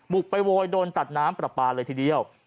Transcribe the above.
บุกไปโวยโดนตัดน้ำปลาปลาเลยทีเดียว